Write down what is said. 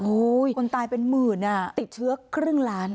คนตายเป็นหมื่นอ่ะติดเชื้อครึ่งล้าน